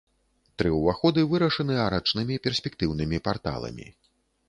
Тры ўваходы вырашаны арачнымі перспектыўнымі парталамі.